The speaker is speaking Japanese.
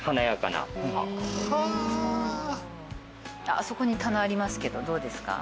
あそこに棚ありますけどどうですか？